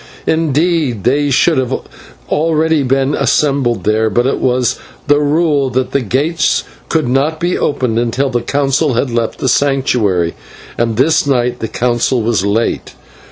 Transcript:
Indeed, they should have already been assembled there, but it was the rule that the gates could not be opened until the Council had left the Sanctuary, and this night the Council sat late.